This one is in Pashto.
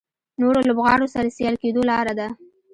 نورو لوبغاړو سره سیال کېدو لاره ده.